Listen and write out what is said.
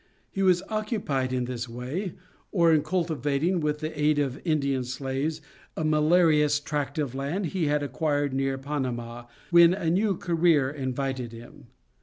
He was occupied in this way, or in cultivating with the aid of Indian slaves a malarious tract of land he had acquired near Panama, when a new career invited him.